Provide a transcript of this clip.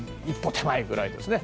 手前ぐらいですね。